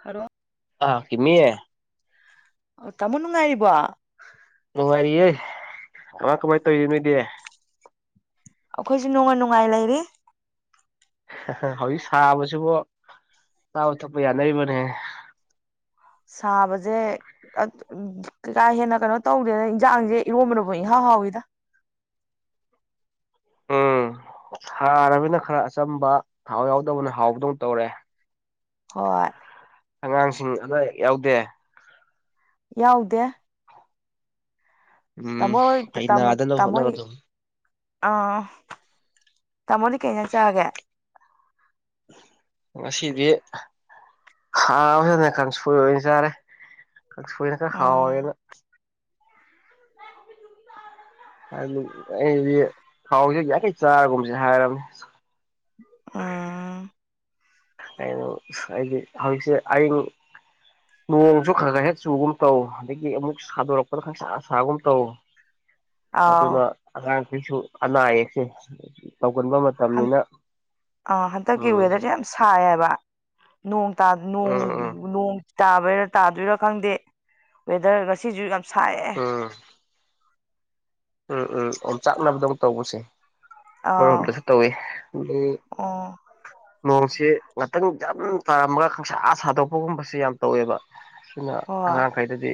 ꯈꯔꯣ ꯑ ꯀꯃꯤꯦ ꯇꯥꯃꯣ ꯅꯨꯡꯉꯥꯏꯔꯤꯕꯣ ꯅꯨꯡꯉꯔꯤ ꯑꯃ ꯀꯃꯥꯏ ꯇꯧꯗ ꯑꯩꯈꯣꯏꯁꯨ ꯅꯨꯡꯉ ꯅꯨꯡꯉꯥꯏ ꯂꯩꯔꯤ ꯍꯧꯖꯤꯛ ꯁꯥꯕꯁꯤꯕꯨ ꯆꯥꯕ ꯊꯛꯄ ꯌꯥꯅꯔꯤꯕꯅꯦ ꯁꯥꯕꯁꯦ ꯀꯩꯀꯥ ꯍꯦꯟꯅ ꯀꯩꯅꯣ ꯇꯧꯗꯦꯅ ꯏꯟꯖꯥꯡꯁꯦ ꯏꯔꯣꯝꯕꯅꯕꯨ ꯏꯟꯍꯥꯎ ꯍꯥꯎꯣꯏꯗ ꯑꯝ ꯊꯅꯤꯅ ꯈꯔ ꯑꯆꯝꯕ ꯊꯥꯎ ꯌꯥꯎꯗꯕꯅ ꯍꯥꯎꯕꯗꯧꯅ ꯇꯧꯔꯦ ꯍꯣꯏ ꯑꯉꯥꯡꯁꯤꯡ ꯑꯗꯨ ꯌꯥꯎꯗꯦ ꯌꯥꯎꯗꯦ ꯎꯝ ꯇꯃꯣ ꯇ ꯐꯩ ꯅꯥꯗꯅꯕ ꯇꯃꯣꯣꯏ ꯍꯣꯠꯅꯔꯣ ꯑꯗꯨꯝ ꯑ ꯇꯥꯃꯣꯗꯤ ꯀꯩꯅꯩꯅ ꯆꯥꯒꯦ ꯉꯁꯤꯗꯤ ꯍꯥꯎꯕ ꯀꯥꯡꯁꯣꯏ ꯑꯣꯏꯅ ꯆꯥꯔꯦ ꯀꯥꯡꯁꯣꯏꯅ ꯈꯔ ꯎꯝ ꯍꯥꯎꯒꯦꯅ ꯑꯗꯨ ꯑꯩꯗꯤ ꯊꯥꯎꯁꯤ ꯌꯥꯡꯈꯩ ꯆꯥꯔꯒꯨꯝꯕꯁꯦ ꯍꯥꯏꯔꯕꯝꯅꯤ ꯑꯥ ꯀꯩꯅ ꯍꯥꯏꯗꯤ ꯍꯧꯖꯤꯛꯁꯦ ꯑꯌꯡ ꯅꯣꯡꯁꯨ ꯈꯔ ꯈꯔ ꯍꯦꯛ ꯆꯨꯒꯨꯝ ꯇꯧ ꯑꯗꯒꯤ ꯑꯃꯨꯛ ꯁꯥꯗꯣꯔꯛꯄꯗ ꯈꯁ ꯑꯁꯥꯒꯨꯝ ꯇꯧ ꯑꯥꯎ ꯑꯗꯨꯅ ꯑꯉꯥꯡꯁꯤꯁꯨ ꯑꯅꯥ ꯑꯌꯦꯛꯁꯦ ꯇꯧꯒꯟꯕ ꯃꯇꯝꯅꯤꯅ ꯑꯥ ꯍꯟꯗꯛꯀꯤ ꯎꯝ ꯋꯦꯗꯔꯁꯦ ꯌꯥꯝ ꯁꯥꯏ ꯍꯥꯏꯕ ꯅꯣꯡꯣꯡ ꯎꯝ ꯎꯝ ꯇꯥꯣꯡꯣꯡ ꯇꯥꯕꯩꯔꯥ ꯇꯥꯗꯣꯏꯔꯥ ꯈꯪꯗꯦ ꯋꯦꯗꯔ ꯉꯁꯤꯁꯨ ꯌꯥꯝ ꯁꯥꯏꯑꯦ ꯎꯝ ꯎꯝ ꯎꯝ ꯑꯣꯝ ꯆꯥꯛꯅꯕꯗꯧ ꯇꯧꯕꯁꯦ ꯑꯥꯎ ꯍꯗꯁꯨ ꯇꯧꯋꯏ ꯑꯣ ꯅꯣꯡꯁꯤ ꯉꯥꯛꯇꯪ ꯌꯥꯝ ꯇꯥꯔꯝꯃꯒ ꯈꯪꯁꯥ ꯁꯥꯗꯣꯛꯄꯒꯨꯝꯕꯁ ꯌꯥꯝ ꯇꯧꯋꯦꯕ ꯑꯗꯨꯈꯅ ꯍꯣꯏ ꯑꯉꯥꯡꯈꯩꯗꯗꯤ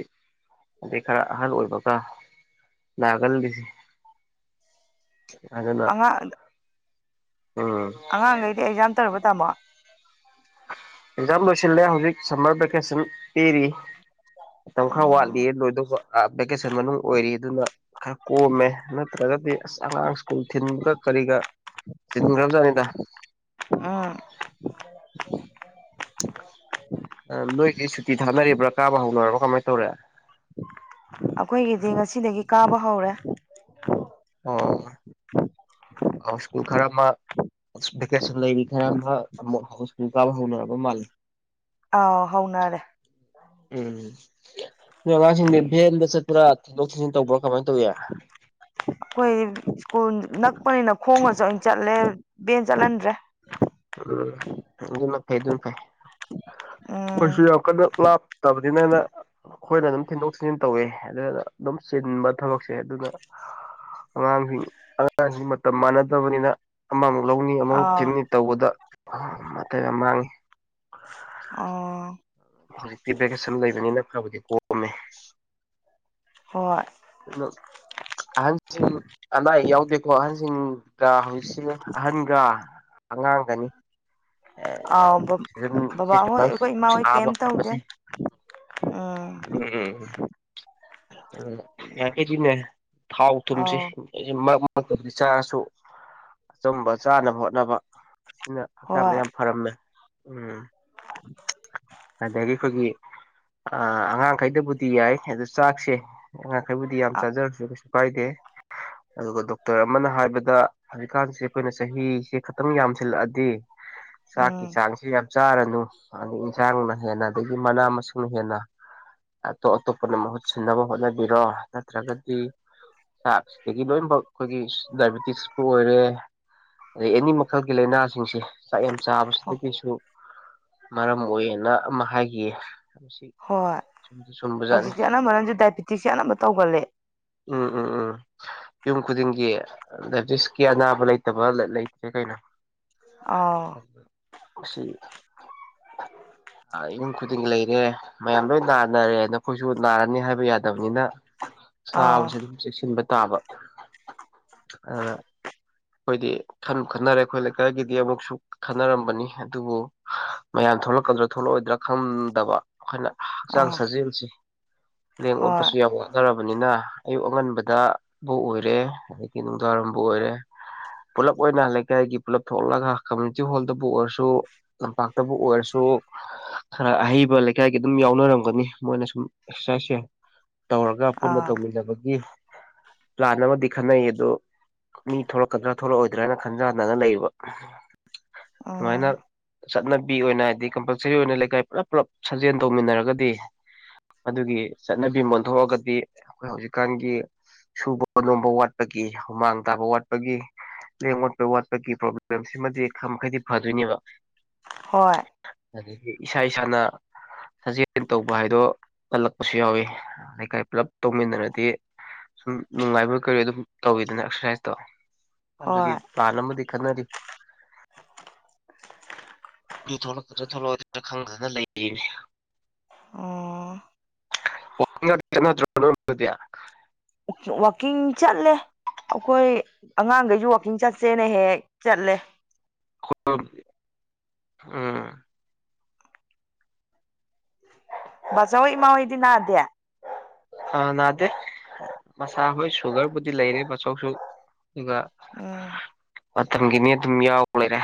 ꯑꯗꯩ ꯈꯔ ꯑꯍꯜ ꯑꯣꯏꯕꯒ ꯅꯥꯒꯜꯂꯤꯁꯦ ꯑꯅ ꯑꯉꯥꯡ ꯑꯉꯥꯡꯈꯩꯗꯤ ꯑꯦꯛꯖꯥꯝ ꯇꯧꯔꯨꯕ ꯇꯥꯝꯃꯣ ꯑꯦꯛꯖꯥꯝ ꯂꯣꯏꯁꯤꯜꯂꯦ ꯍꯧꯖꯤꯛ ꯁꯝꯃꯔ ꯚꯦꯀꯦꯁꯟ ꯄꯤꯔꯤ ꯃꯇꯝ ꯈꯔ ꯑꯥ ꯋꯥꯠꯂꯤ ꯂꯣꯏꯗꯧꯕ ꯚꯦꯀꯦꯁꯟ ꯃꯅꯨꯡ ꯑꯣꯏꯔꯤ ꯑꯗꯨꯅ ꯈꯔ ꯀꯣꯝꯃꯦ ꯅꯠꯇ꯭ꯔꯒꯗꯤ ꯑꯁ ꯑꯉꯥꯡ ꯁ꯭ꯀꯨꯜ ꯊꯤꯟꯕꯒ ꯀꯔꯤꯒ ꯁꯤ ꯈꯝꯖꯅꯤꯗ ꯑꯥ [inaudible] [inaudible] ꯅꯣꯏꯒꯤ ꯁꯨꯇꯤ ꯊꯥꯅꯔꯤꯕ꯭ꯔꯥ ꯀꯥꯕ ꯍꯧꯅꯔꯕꯥ ꯀꯃꯥꯏꯅ ꯇꯧꯔꯦ ꯑꯩꯈꯣꯏꯒꯤꯗꯤ ꯉꯁꯤꯗꯒꯤ ꯀꯥꯕ ꯍꯧꯔꯦ ꯑ ꯁ꯭ꯀꯨꯜ ꯈꯔꯞ ꯃꯥ ꯚꯦꯀꯦꯁꯟ ꯂꯩꯔꯤ ꯈꯔ ꯑꯃ ꯑꯃꯨꯛ ꯍꯥꯎ ꯁ꯭ꯨꯜ ꯀꯥꯕ ꯍꯧꯅꯔꯕ ꯃꯥꯜꯂꯤ ꯑꯥꯎ ꯍꯧꯅꯔꯦ ꯎꯝ ꯅꯣꯏ ꯑꯉꯥꯡꯁꯤꯡꯗꯤ ꯚꯦꯟꯗ ꯆꯠꯄ꯭ꯔꯥ ꯊꯤꯟꯗꯣꯛ ꯊꯤꯟꯖꯤꯟ ꯇꯧꯕ꯭ꯔꯣ ꯀꯃꯥꯏ ꯇꯧꯕꯌꯥ ꯑꯩꯈꯣꯏ ꯁ꯭ꯀꯨꯜ ꯅꯛꯄꯅꯤꯅ ꯈꯣꯡꯉꯁꯨ ꯑꯣꯏꯅ ꯆꯠꯂꯦ ꯕꯦꯟ ꯆꯠꯍꯟꯗ꯭ꯔꯦ ꯎꯝ ꯑꯗꯨꯃ ꯐ ꯑꯗꯨꯝ ꯐꯥꯏ ꯎꯝ ꯑꯩꯣꯏꯁꯨ ꯌꯥꯝ ꯀꯟꯅ ꯂꯥꯞꯇꯕꯅꯤꯅ ꯑꯅ ꯑꯩꯈꯣꯏꯅ ꯑꯗꯨꯝ ꯊꯤꯟꯗꯣꯛ ꯊꯤꯟꯖꯤꯟ ꯇꯧꯋꯦ ꯑꯗꯨꯅ ꯑꯗꯨꯝ ꯆꯤꯟꯕ ꯊꯕꯛꯁꯦ ꯑꯗꯨꯅ ꯑꯉꯥꯡꯁꯤꯡ ꯑꯉꯥꯡꯁꯤꯡ ꯃꯇꯝ ꯃꯥꯟꯅꯗꯕꯅꯤꯅ ꯑꯃ ꯂꯧꯃꯤꯅꯤ ꯑꯃꯃꯨꯛ ꯑꯥꯎ ꯊꯤꯟꯅꯤ ꯇꯧꯕꯗ ꯃꯇ ꯌꯥꯝ ꯃꯥꯡꯉꯤ ꯑꯥ ꯍꯧꯖꯤꯛꯇꯤ ꯚꯦꯀꯦꯁꯟ ꯂꯩꯕꯅꯤꯅ ꯐꯕꯨꯗꯤ ꯄꯣꯛꯑꯝꯃꯦ ꯍꯣꯏ ꯀꯩꯅ ꯑꯍꯟꯁꯤꯡ ꯑꯅꯥ ꯑꯌꯦꯛ ꯌꯥꯎꯗꯦꯀꯣ ꯑꯍꯟꯁꯤꯡ ꯍꯧꯖꯤꯛꯁꯦ ꯑꯍꯟꯒ ꯑꯉꯥꯡꯒꯅꯤ ꯑꯥꯎ ꯁꯤ ꯕꯕꯥ ꯍꯣꯏ ꯑꯩꯈꯣꯏ ꯏꯃꯥ ꯍꯣꯏ ꯀꯩꯝ ꯇꯧꯗꯦ ꯌꯥꯝꯕꯠꯄꯁꯤ ꯎꯝ ꯎ ꯎ ꯌꯥꯗꯤꯅꯦ ꯊꯥꯎ ꯑꯥꯎ ꯊꯨꯝꯁꯤ ꯃꯇꯝ ꯆꯥꯁꯨ ꯑꯆꯕ ꯆꯥꯅꯕ ꯍꯣꯠꯅꯕ ꯑꯁꯤꯅ ꯆ ꯆꯥꯡ ꯃ ꯍꯣꯏ ꯌꯥꯝ ꯐꯔꯝꯃꯦ ꯎꯝ ꯑꯗꯒꯤ ꯑꯩꯈꯣꯏꯒꯤ ꯑꯉꯥꯡꯈꯩꯗꯕꯨꯗꯤ ꯇꯤ ꯌꯥꯏ ꯑꯗꯨꯗ ꯆꯥꯛꯁꯦ ꯑꯉꯥꯡꯈꯩꯕꯨꯗꯤ ꯌꯥꯝ ꯆꯥꯖꯔꯁꯨ ꯀꯩꯁꯨ ꯀꯥꯏꯗꯦ ꯑꯗꯨꯒ ꯗꯣꯛꯇꯔ ꯑꯃꯅ ꯍꯥꯏꯕꯗ ꯍꯧꯖꯤꯛꯀꯥꯟꯁꯦ ꯑꯩꯈꯣꯏꯅ ꯆꯍꯤꯁꯦ ꯈꯇꯪ ꯌꯥꯝꯁꯤꯜꯂꯛꯑꯗꯤ ꯆꯥꯛꯀꯤ ꯎꯝ ꯆꯥꯡꯁꯤ ꯌꯥꯝ ꯆꯥꯔꯅꯨ ꯑ ꯌꯦꯟꯁꯥꯡꯅ ꯍꯦꯟꯅ ꯑꯗꯒꯤ ꯃꯅꯥ ꯃꯁꯤꯡ ꯍꯦꯟꯅ ꯑꯇꯣꯞ ꯑꯇꯣꯞꯄꯅ ꯃꯍꯨꯠ ꯁꯤꯟꯅꯕ ꯍꯣꯠꯅꯕꯤꯔꯣ ꯅꯠꯇ꯭ꯔꯒꯗꯤ ꯆꯥꯛꯁꯤꯗꯒꯤ ꯂꯣꯏꯅꯃꯛ ꯑꯩꯈꯣꯏꯒꯤ ꯗꯥꯏꯕꯦꯇꯤꯛꯤꯁꯄꯨ ꯑꯣꯏꯔꯦ ꯑꯗꯩ ꯑꯦꯅꯤ ꯃꯈꯜꯒꯤ ꯂꯥꯏꯅꯥꯁꯤꯡꯁꯦ ꯆꯥꯛ ꯌꯥꯝ ꯆꯥꯕꯁꯤꯗꯒꯤꯁꯨ ꯃꯔꯝ ꯑꯣꯏꯌꯦꯅ ꯑꯃ ꯍꯥꯏꯈꯤꯌꯦ ꯃꯁꯤ ꯍꯣꯏ ꯆꯨꯝꯁꯨ ꯆꯨꯝꯕꯖꯥꯠꯅꯤ ꯍꯧꯖꯤꯛꯇꯤ ꯑꯅꯝꯕꯅꯁꯨ ꯗꯥꯏꯕꯦꯇꯤꯛꯁꯦ ꯑꯅꯝꯕ ꯇꯧꯒꯂꯦ ꯎꯝ ꯎꯝ ꯎꯝ ꯌꯨꯝ ꯈꯨꯗꯤꯡꯒꯤ ꯗꯥꯏꯕꯦꯇꯤꯁꯀꯤ ꯑꯅꯥꯕ ꯂꯩꯇꯕ ꯂꯩꯇ꯭ꯔꯦ ꯀꯩꯅꯣ ꯑꯥꯎ ꯁꯤ [inaudible] ꯌꯨꯝ ꯈꯨꯗꯤꯡ ꯂꯩꯔꯦ ꯃꯌꯥꯝ ꯂꯣꯏ ꯅꯥꯅꯔꯦ ꯅꯈꯣꯏꯁꯨ ꯅꯥꯔꯅꯤ ꯍꯥꯏꯕ ꯌꯥꯗꯕꯅꯤꯅ ꯑꯥꯎ ꯁꯥꯕꯁꯦ ꯑꯗꯨꯝ ꯆꯦꯛꯁꯤꯟꯕ ꯇꯥꯕ ꯑꯗꯨꯅ ꯑꯩꯈꯣꯏꯗꯤ ꯈꯟꯅꯔꯦ ꯑꯩꯈꯣꯏ ꯂꯩꯀꯥꯏꯒꯤꯗꯤ ꯑꯃꯨꯛꯁꯨ ꯈꯟꯅꯔꯝꯕꯅꯤ ꯑꯗꯨꯕꯨ ꯃꯌꯥꯝ ꯊꯣꯛꯂꯛꯀꯗ꯭ꯔꯥ ꯊꯣꯛꯂꯛꯑꯣꯏꯗ꯭ꯔꯥ ꯈꯪꯗꯕ ꯑꯩꯈꯣꯏꯅ ꯍꯛꯆꯥꯡ ꯑꯥ ꯁꯥꯖꯦꯜꯁꯤ ꯂꯦꯡ ꯍꯣꯏ ꯑꯣꯠꯄꯁꯨ ꯌꯥꯝ ꯋꯥꯅꯔꯕ ꯑꯣꯏꯕꯅꯤꯅ ꯑꯌꯨꯛ ꯑꯉꯟꯕꯗꯕꯨ ꯑꯣꯏꯔꯦ ꯑꯗꯒꯤ ꯅꯨꯡꯗꯥꯡꯏꯔꯝꯕꯨ ꯑꯣꯏꯔꯦ [inaudible] ꯄꯨꯜꯂꯞ ꯑꯣꯏꯅ ꯂꯩꯀꯥꯏꯒꯤ ꯄꯨꯜꯂꯞ ꯊꯣꯛꯂꯒ ꯀꯝꯃꯌꯨꯅꯤꯇꯤ ꯍꯣꯜꯗꯕꯨ ꯑꯣꯏꯔꯁꯨ ꯇꯝꯄꯥꯛꯇꯕꯨ ꯑꯣꯏꯔꯁꯨ ꯈꯔ ꯑꯍꯩꯕ ꯂꯩꯀꯥꯏꯒꯤ ꯑꯗꯨꯝ ꯌꯥꯎꯅꯔꯝꯒꯅꯤ ꯃꯣꯏꯅ ꯁꯨꯝ ꯑꯦꯛꯁꯔꯁꯥꯏꯖꯁꯦ ꯇꯧꯔꯒ ꯄꯨꯟꯅ ꯑꯥ ꯇꯧꯃꯤꯟꯅꯕꯒꯤ ꯄ꯭ꯂꯥꯟ ꯑꯃꯗꯤ ꯈꯟꯅꯩ ꯑ ꯃꯤ ꯊꯣꯛꯂꯛꯀꯗ꯭ꯔꯥ ꯊꯣꯛꯂꯛꯑꯣꯏꯗ꯭ꯔꯥ ꯍꯥꯏꯅ ꯈꯟꯖꯍꯅꯒ ꯂꯩꯕ ꯑꯗꯨꯃꯥꯏꯅ ꯎꯝ ꯆꯠꯅꯕꯤ ꯑꯣꯏꯅ ꯍꯥꯏꯗꯤ ꯀꯝꯄꯜꯁꯔꯤ ꯑꯣꯏꯅ ꯂꯩꯀꯥꯏ ꯄꯨꯂꯞ ꯄꯨꯂꯞ ꯁꯥꯖꯦꯜ ꯇꯧꯃꯤꯟꯅꯔꯒꯗꯤ ꯑꯗꯨꯒꯤ ꯆꯠꯅꯕꯤ ꯑꯣꯟꯊꯣꯛꯑꯒꯗꯤ ꯑꯩꯈꯣꯏ ꯍꯧꯖꯤꯛꯀꯥꯟꯒꯤ ꯁꯨꯕ ꯅꯣꯝꯕ ꯋꯥꯠꯄꯒꯤ ꯍꯨꯃꯥꯡ ꯇꯥꯕ ꯋꯥꯠꯄ ꯠꯄꯒꯤ ꯂꯦꯡ ꯑꯣꯠꯄ ꯋꯥꯠꯄꯒꯤ ꯄ꯭ꯔꯣꯕ꯭ꯂꯦꯝꯁꯤꯃꯗꯤ ꯈꯔ ꯃꯈꯩꯗꯤ ꯐꯗꯣꯏꯅꯦꯕ ꯍꯣꯏ ꯑꯗꯒꯤ ꯏꯁꯥ ꯏꯁꯥꯅ ꯁꯥꯖꯦꯜ ꯇꯧꯕ ꯍꯥꯏꯗꯣ ꯀꯜꯂꯛꯄꯁꯨ ꯌꯥꯎꯏꯤ ꯂꯩꯀꯥꯏ ꯄꯨꯜꯂꯞ ꯇꯧꯃꯤꯟꯅꯔꯗꯤ ꯁꯨꯝ ꯅꯨꯡꯉꯥꯏꯕ ꯀꯔꯤ ꯑꯗꯨꯝ ꯇꯧꯋꯤꯗꯅ ꯑꯦꯛꯁꯔꯁꯥꯏꯖꯇꯣ ꯑꯗꯨꯒꯤ ꯍꯣꯏ ꯄ꯭ꯂꯥꯟ ꯑꯃꯗꯤ ꯈꯟꯅꯔꯤ ꯑꯗꯨ ꯊꯣꯛꯂꯛꯀꯗ꯭ꯔꯥ ꯊꯣꯛꯂꯛꯑꯗ꯭ꯔꯥ ꯈꯪꯗꯅ ꯂꯩꯔꯤꯅꯤ ꯑꯣ ꯇ ꯋꯥꯋꯀꯤꯡ ꯆꯠꯂꯦ ꯑꯩꯈꯣꯏ ꯑꯉꯥꯡꯈꯩꯁꯨ ꯋꯥꯛꯀꯤꯡ ꯆꯠꯁꯦꯅ ꯍꯦꯛ ꯍꯦꯛ ꯆꯠꯂꯦ ꯑꯝ ꯕꯥꯖꯧ ꯍꯣꯏ ꯏꯃꯥ ꯍꯣꯏꯗꯤ ꯅꯥꯗꯦ ꯑꯥ ꯅꯥꯗꯦ ꯃꯁꯥ ꯍꯣꯏ ꯁꯨꯒꯔꯕꯨꯗꯤ ꯂꯩꯔꯦ ꯃꯆꯧꯁꯨ ꯑꯗꯨꯒ ꯎꯝ ꯃꯇꯝꯒꯤꯅꯤ ꯑꯗꯨꯝ ꯌꯥꯎ ꯂꯩꯔꯦ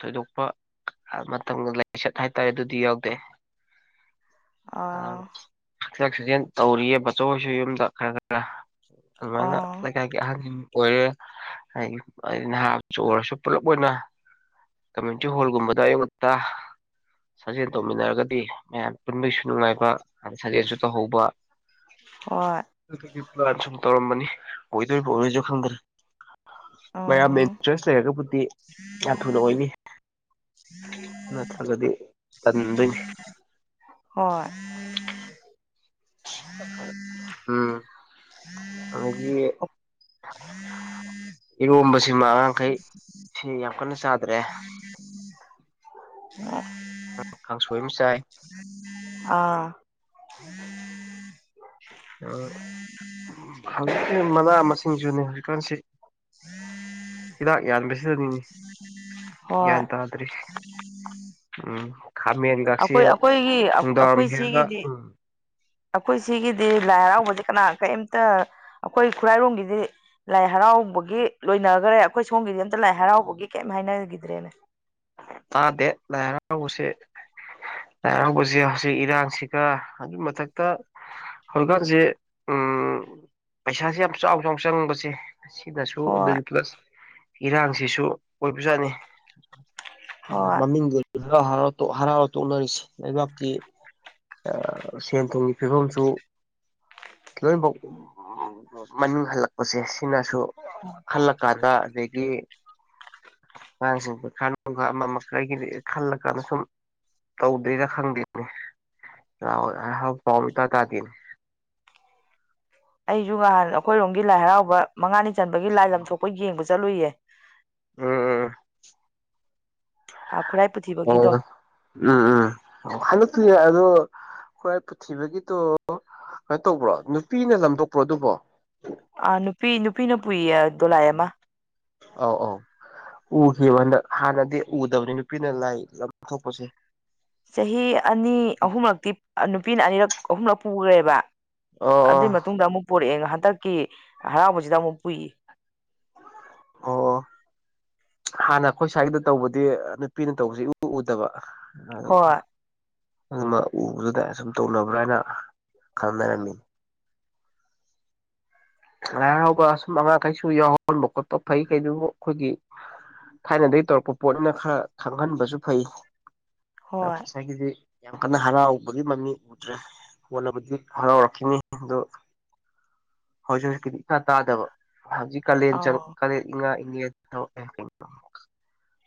ꯊꯣꯏꯗꯣꯛꯄ ꯃꯇꯝ ꯂꯥꯏꯆꯠ ꯍꯥꯏꯇꯥꯔꯦ ꯑꯗꯨꯗꯤ ꯌꯥꯎꯗꯦ ꯑ ꯍꯤꯗꯥꯛ ꯁꯤꯖꯦꯟ ꯇꯧꯔꯤꯌꯦꯕꯆꯣꯏꯁꯨ ꯌꯨꯝꯗ ꯈꯔ ꯈꯔ ꯑꯗꯨꯃꯥꯏꯅ ꯑꯥ ꯂꯩꯀꯥꯏꯒꯤ ꯑꯍꯟꯁꯤꯡ ꯑꯣꯏꯔꯦ ꯍꯥꯏꯗꯤ ꯅꯍꯥ ꯑꯣꯏꯔꯁꯨ ꯄꯨꯂꯞ ꯑꯣꯏꯅ ꯀꯃ꯭ꯌꯨꯅꯤꯇꯤ ꯍꯣꯜꯒꯨꯝꯕꯗ ꯌꯉꯛꯇ ꯁꯥꯖꯦꯜ ꯇꯧꯃꯤꯟꯅꯔꯒꯗꯤ ꯃꯌꯥꯝ ꯄꯨꯟꯕꯒꯤꯁꯨ ꯅꯨꯡꯉꯥꯏꯕ ꯑ ꯁꯥꯖꯦꯜꯁꯨ ꯇꯧꯍꯧꯕ ꯍꯣꯏ ꯑꯗꯨꯒꯤ ꯁꯨꯝ ꯇꯧꯔꯝꯕꯅꯤ ꯑꯣꯏꯗꯣꯏ ꯄꯣꯈꯣꯏꯁꯨ ꯈꯪꯗ꯭ꯔꯦ ꯃꯌꯥꯝꯅ ꯎꯝ ꯏꯟꯇꯔꯦꯁ ꯂꯩꯔꯒꯕꯨꯗꯤ ꯌꯥꯝ ꯊꯨꯅ ꯑꯣꯏꯅꯤ ꯅꯠꯇ ꯀꯗꯤ ꯍꯣꯏ ꯎꯝ ꯑꯗꯒꯤ ꯏꯔꯣꯝꯕꯁꯤꯃ ꯑꯉꯥꯡꯈꯩ ꯁꯤ ꯌꯥꯝ ꯀꯟꯅ ꯆꯥꯗ꯭ꯔꯦ ꯀꯥꯡꯁꯣꯏ ꯑꯃ ꯆꯥꯏ ꯑꯥ ꯑ ꯍꯧꯖꯤꯛꯀꯤ ꯃꯅꯥ ꯃꯁꯤꯡꯁꯨꯅꯦ ꯍꯧꯖꯤꯛꯀꯥꯟꯁꯤ ꯍꯤꯗꯥꯛ ꯌꯥꯟ꯭ꯔꯁꯤꯗꯅꯤꯅꯤ ꯍꯣꯏ ꯌꯦꯇ ꯑꯗꯨꯗ꯭ꯔꯤ ꯎꯝ ꯈꯥꯃꯦꯟ ꯈꯛꯁꯤꯦ ꯑꯩꯈꯣꯏ ꯑꯩꯈꯣꯏꯒꯤ ꯅꯨꯡꯗꯥꯡ ꯋꯥꯔꯝ ꯑꯩꯈꯣꯏ ꯍꯦꯛꯒ ꯁꯤꯒꯤꯗꯤ ꯎꯝ ꯑꯩꯈꯣꯏ ꯁꯤꯒꯤꯗꯤ ꯂꯥꯏ ꯍꯔꯥꯎꯕꯗꯤ ꯀꯅꯥ ꯀꯔꯤꯝꯇ ꯑꯩꯈꯣꯏ ꯈꯨꯔꯥꯏꯔꯣꯝꯒꯤꯗꯤ ꯂꯥꯏ ꯍꯔꯥꯎꯕꯒꯤ ꯂꯣꯏꯅꯈꯔꯦ ꯑꯩꯈꯣꯏ ꯁꯣꯝꯒꯤꯗꯤ ꯑꯝꯇ ꯂꯥꯏ ꯍꯔꯥꯎꯕꯒꯤ ꯀꯩꯝ ꯍꯥꯏꯅꯈꯤꯗ꯭ꯔꯦꯅꯦ ꯇꯥꯗꯦ ꯂꯥꯏꯔꯥꯎꯎꯁꯦ ꯂꯥꯏꯔꯥꯎꯁꯦ ꯍꯧꯖꯤꯛ ꯏꯔꯥꯡꯁꯤꯒ ꯑꯗꯨꯒꯤ ꯃꯊꯛꯇ ꯍꯧꯖꯤꯛꯀꯥꯟꯁꯦ ꯎꯝ ꯄꯩꯁꯥꯥꯁꯦ ꯌꯥꯝ ꯆꯥꯎ ꯆꯥꯎ ꯆꯪꯕꯁꯦ ꯑꯁꯤꯅꯁꯨ ꯍꯣꯏ ꯑꯗꯨꯗꯒꯤ ꯄ꯭ꯂꯁ ꯏꯔꯥꯡꯁꯤꯁꯨ ꯑꯣꯏꯕꯖꯥꯠꯅꯤ ꯍꯣꯏ ꯃꯃꯤꯡꯗꯨꯔꯥꯎꯥꯎ ꯍꯔꯥꯎ ꯍꯥꯎ ꯇꯣꯛꯅꯔꯤꯁꯦ ꯂꯩꯕꯥꯛꯇ ꯁꯦꯟ ꯊꯨꯝꯒꯤ ꯐꯤꯕꯝꯁꯨ ꯂꯣꯏꯅꯐꯧ ꯃꯅꯤꯡ ꯍꯜꯂꯛꯄꯁꯦ ꯁꯤꯅꯁꯨ ꯈꯜꯂꯛꯀꯥꯟꯗ ꯑꯗꯒꯤ ꯑꯉꯥꯡꯁꯤꯡ ꯈ ꯑꯗꯨꯒꯨꯡ ꯑꯃ ꯃꯈꯥꯏꯒꯤꯗꯤ ꯈꯜꯂꯀꯥꯟꯗ ꯁꯨꯝ ꯇꯧꯗꯦꯔ ꯈꯪꯗꯦꯅꯤ ꯑ ꯍꯥꯎ ꯀꯝ ꯇ ꯇꯥꯗꯅ [unintelligible] ꯑꯩꯁꯨ ꯉꯍꯥꯟ ꯑꯩꯈꯣꯏꯔꯣꯝꯒꯤ ꯂꯥꯏ ꯍꯔꯥꯎꯕ ꯃꯉꯥꯅꯤ ꯆꯟꯕꯒꯤ ꯂꯥꯏ ꯂꯝꯊꯣꯛꯄ ꯌꯦꯡꯕ ꯆꯠꯂꯨꯏꯌꯦ ꯎꯝ ꯑ ꯈꯨꯔꯥꯏ ꯎ ꯑꯣ ꯄꯨꯊꯤꯕꯒꯤꯗꯣ ꯎꯝ ꯎꯝ ꯍꯂꯛꯇ ꯑꯗꯣ ꯈꯨꯔꯥꯏ ꯄꯨꯊꯤꯕꯒꯤꯗꯣ ꯀꯩꯅꯣ ꯇꯧꯕ꯭ꯔꯣ ꯅꯨꯄꯤꯅ ꯂꯗꯣꯛꯄ꯭ꯔꯣ ꯑꯗꯨꯕꯣ ꯑꯥ ꯅꯨꯄꯤ ꯅꯨꯄꯤꯅ ꯄꯨꯏꯌꯦꯗꯣꯂꯥꯏ ꯃꯥ ꯑ ꯑꯥꯎ ꯎꯈꯤꯕ ꯍꯟꯗꯛ ꯍꯥꯟꯅꯗꯤ ꯎꯗꯕꯅꯤ ꯅꯨꯄꯤꯅ ꯂꯥꯏ ꯂꯊꯣꯛꯄꯁꯦ ꯆꯍꯤ ꯑꯅꯤ ꯑꯍꯨꯝꯂꯛꯇꯤ ꯅꯨꯄꯤꯅ ꯑꯅꯤꯔꯛ ꯑꯍꯨꯝꯂꯛ ꯄꯨꯈ꯭ꯔꯦꯕ ꯑꯣ ꯑꯣ ꯑꯗꯨꯏ ꯃꯇꯨꯡꯗ ꯑꯃꯨꯛ ꯄꯣꯔꯛꯑꯦ ꯉꯥꯏꯍ ꯍꯟꯗꯛꯀꯤ ꯍꯔꯥꯎꯕꯁꯤꯗ ꯑꯃꯨꯛ ꯄꯨꯏ ꯑꯣ ꯍꯥꯟꯅ ꯑꯩꯈꯣꯏ ꯁ꯭ꯋꯥꯏꯗ ꯇꯧꯕꯗꯤ ꯅꯨꯄꯤꯅ ꯇꯧꯕꯁꯤ ꯎ ꯎꯗꯕ ꯑꯗꯨ ꯍꯣꯏ ꯎꯕꯗꯨꯗ ꯁꯁꯨꯝ ꯇꯧꯅꯕ꯭ꯔꯥ ꯍꯥꯏꯅ ꯈꯪꯅꯔꯝꯃꯤꯅꯤ [unintelligible] ꯉꯥꯏꯔꯥꯎꯕ ꯁꯨꯝ ꯑꯉꯥꯡꯈꯩꯁꯨ ꯌꯥꯎꯍꯟꯕ ꯈꯣꯠꯄ ꯐꯩ ꯀꯩꯗꯨ ꯑꯩꯈꯣꯏꯒꯤ ꯊꯥꯏꯅꯗꯒꯤ ꯇꯧꯔꯛꯄ ꯄꯣꯠꯅꯤꯅ ꯈꯔ ꯈꯪꯍꯟꯕꯁꯨ ꯐꯩ ꯍꯣꯏ ꯉꯁꯥꯏꯒꯤꯗꯤ ꯌꯥꯝ ꯀꯟꯅ ꯍꯔꯥꯎꯕꯒꯤ ꯃꯃꯤ ꯎꯗ꯭ꯔꯦ ꯍꯣꯅꯕꯗꯨ ꯍꯔꯥꯎꯔꯛꯈꯤꯅꯤ ꯑꯗꯨ ꯍꯧꯖꯤꯛ ꯍꯧꯖꯤꯛꯀꯤꯗꯤ ꯏꯁꯥ ꯇꯥꯗꯕ ꯍꯧꯖꯤꯛ ꯀꯥꯂꯦꯟ ꯑꯥꯎ ꯀꯂꯦꯟ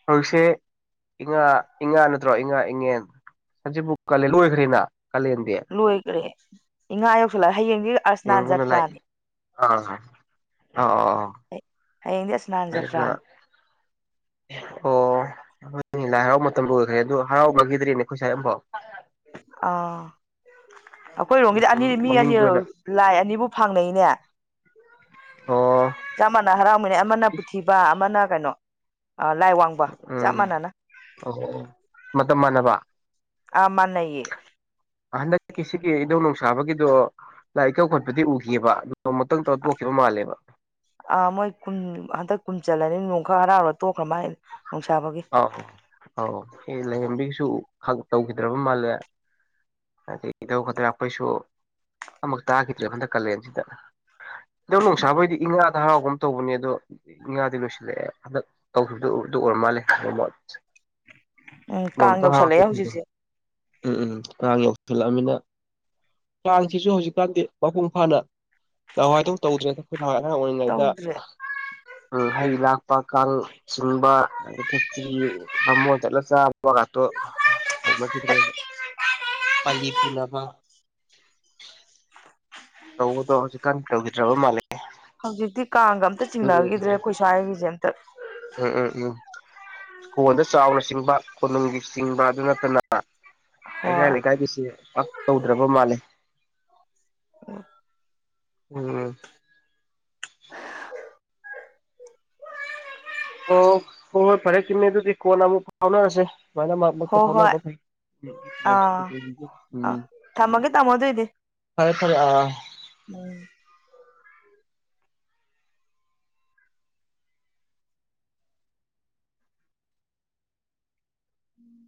ꯍꯧꯖꯤꯁꯦ ꯏꯉꯥ ꯏꯉꯥ ꯅꯠꯇ꯭ꯔꯣ ꯏꯉꯥ ꯏꯉꯦꯟ ꯍꯧꯖꯤꯕꯨ ꯀꯂ ꯂꯣꯏꯈ꯭ꯔꯤꯅ ꯂꯣꯏꯈ꯭ꯔꯦ ꯏꯉꯥ ꯌꯧꯁꯜꯂꯛꯑꯦ ꯍꯌꯦꯡꯒꯤ ꯎꯝ ꯑꯔꯁꯅꯥ ꯑꯗꯨꯅ ꯂꯥꯏꯛ ꯖꯇ꯭ꯔꯥꯅꯤ ꯑꯥ ꯑꯥ ꯍꯌꯦꯡꯗꯤ ꯑꯁꯅꯥꯟ ꯑꯥ ꯑꯗꯨꯅ ꯖꯇ꯭ꯔꯥꯟ ꯑꯣ ꯂꯥꯏ ꯍꯔꯥꯎꯕ ꯃꯇꯝ ꯂꯣꯏꯈ꯭ꯔꯦ ꯑꯗꯨ ꯍꯔꯥꯎꯕꯒꯤꯗ꯭ꯔꯤꯅꯦꯈꯣꯏ ꯁꯥꯏꯠ ꯑꯃꯐꯥꯎ ꯑꯣ ꯑꯩꯈꯣꯏꯔꯣꯝꯒꯤꯗꯤ ꯑꯅꯤ ꯃꯤ ꯑꯅꯤ ꯃꯃꯤꯡꯒꯤ ꯑꯣꯏꯅ ꯂꯥꯏ ꯑꯅꯤꯕꯨ ꯐꯪꯅꯩꯅꯦ ꯑꯣ ꯆꯞ ꯃꯥꯟꯅ ꯍꯔꯥꯎꯃꯤꯟꯅꯩ ꯑꯃꯅ ꯄꯨꯊꯤꯕ ꯑꯃꯅ ꯀꯩꯅꯣ ꯂꯥꯏ ꯋꯥꯡꯕ ꯆꯞ ꯎꯝ ꯃꯥꯟꯅꯅ ꯑꯣ ꯃꯇꯝ ꯃꯥꯟꯅꯕ ꯑꯥ ꯃꯥꯟꯅꯩꯌꯦ ꯍꯟꯗꯛꯀꯤ ꯁꯤꯒꯤ ꯏꯙꯧ ꯅꯨꯡꯁꯥꯕꯒꯤ ꯑꯗꯣ ꯂꯥꯏ ꯏꯀꯧ ꯈꯠꯄꯗꯤ ꯎꯈꯤꯑꯦꯕ ꯑ ꯃꯣꯏ ꯀꯨꯟ ꯍꯟꯇꯛ ꯀꯨꯟꯆꯂꯅꯤ ꯅꯣ ꯈꯔ ꯍꯔꯥꯎꯔ ꯇꯣꯛꯈ꯭ꯔ ꯃꯥꯥꯏ ꯑ ꯑ ꯁꯨ ꯇꯧꯈꯤꯗ꯭ꯔꯕ ꯃꯥꯜꯂꯦ ꯑꯗꯒꯤ ꯏ ꯇꯧꯒꯗ꯭ꯔꯥ ꯑꯩꯈꯣꯏꯁꯨ ꯑꯃꯨꯛ ꯇꯥꯈꯤꯗ꯭ꯔꯦ ꯍꯟꯗꯛ ꯀꯥꯂꯦꯟꯁꯤꯗ ꯑꯗꯣ ꯅꯨꯡꯁꯥ ꯍꯣꯏꯗꯤ ꯏ ꯉꯥꯗ ꯍꯔꯥꯎꯒꯨꯝ ꯇꯧꯕꯅꯦ ꯑꯗꯣ ꯏꯉꯥꯗꯤ ꯂꯣꯏꯁꯤꯜꯂꯛꯑꯦ ꯍꯟꯗꯛ ꯇꯧꯈꯤꯕꯗꯨ ꯎꯦ ꯎꯔꯝꯃꯥꯂꯦ [unintelligible] ꯎꯝ ꯀꯥꯡ ꯌꯧꯁꯜꯂꯛꯑꯦ ꯍꯧꯖꯤꯛꯁꯦ ꯎꯝ ꯑꯉꯥꯡ ꯌꯧꯁꯤꯜꯂꯛꯑꯃꯤꯅ ꯀꯥꯡꯁꯤꯁꯨ ꯍꯧꯖꯤꯛꯀꯥꯟꯗꯤ ꯃꯄꯨꯡ ꯐꯥꯅ ꯅꯍꯥꯋꯥꯏꯗꯧꯅ ꯇꯧꯗ꯭ꯔꯦ ꯈ ꯑꯉꯍꯥꯡ ꯑꯣꯏꯔꯤꯉꯩꯗ ꯇꯧꯗ꯭ꯔꯦ ꯍꯩ ꯂꯥꯛꯄ ꯀꯥꯡ ꯆꯤꯡꯕ ꯑꯗ ꯈꯦꯆꯔꯤ ꯚꯝꯃꯣꯟ ꯆꯠꯂ ꯆꯥꯕꯒꯠꯇꯣꯃ ꯀꯗ꯭ꯔꯦ ꯀꯥꯂꯤ ꯄꯨꯅꯕ ꯇꯧꯕꯗꯣ ꯍꯧꯖꯤꯛꯀꯥꯟ ꯇꯧꯈꯤꯗ꯭ꯔꯕ ꯃꯥꯜꯂꯦ ꯍꯧꯖꯤꯛꯇꯤ ꯀꯥꯡꯒ ꯑꯝꯇ ꯆꯤꯡꯅꯈꯤꯗ꯭ꯔꯦ ꯍꯨꯗ꯭ꯔꯦ ꯑꯩꯈꯣꯏ ꯁ꯭ꯋꯥꯏꯒꯤꯁꯦ ꯑꯝꯇ ꯎꯝ ꯎꯝ ꯎꯝ ꯍꯣꯟꯗ ꯆꯥꯎꯅ ꯆꯤꯡꯕ ꯀꯣꯅꯨꯡꯒꯤ ꯆꯤꯡꯕ ꯑꯗꯨ ꯅꯠꯇꯅ ꯂꯩꯀꯥꯏ ꯍꯣꯏ ꯂꯩꯀꯥꯏꯒꯤꯁꯤ ꯄꯥꯛ ꯇꯧꯗ꯭ꯔꯕ ꯃꯥꯜꯂꯦ ꯎ ꯎꯝ ꯑꯣ ꯍꯣꯏ ꯍꯣꯏ ꯐꯔꯦ ꯆꯨꯝꯃꯦ ꯑꯗꯨꯗꯤ ꯀꯣꯟꯅ ꯑꯃꯨꯛ ꯐꯥꯎꯅꯔꯁꯦ ꯁꯨꯃꯥꯏꯅ ꯃꯥ ꯍꯣ ꯃꯔꯛꯇ ꯍꯣꯏ ꯐꯥꯎꯅꯕ ꯐꯩ ꯎꯝ ꯑꯥ ꯑꯥ ꯎꯝ ꯊꯝꯃꯒꯦ ꯇꯥꯃꯣ ꯑꯗꯨꯏꯗꯤ ꯐꯔꯦ ꯐꯔꯦ ꯑꯥ ꯎꯝ ꯎꯝ